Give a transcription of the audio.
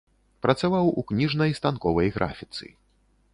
Працаваў у кніжнай станковай графіцы.